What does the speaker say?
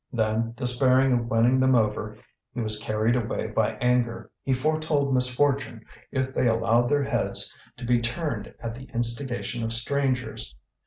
Then, despairing of winning them over, he was carried away by anger, he foretold misfortune if they allowed their heads to be turned at the instigation of strangers.